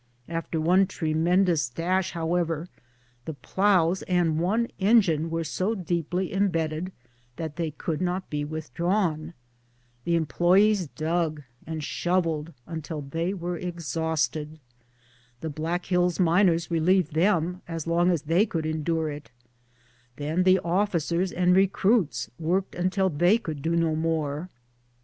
After one tremendous dash, however, the ploughs and one engine were so deeply embedded that they could not be withdrawn. The em ployes dug and shovelled until they were exhausted. The Black Hills miners relieved them as long as they could endure it ; then the ofiicers and recruits worked until they could do no more.